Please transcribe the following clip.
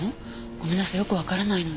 ごめんなさいよくわからないの。